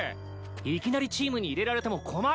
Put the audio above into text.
いきなりチームに入れられても困る。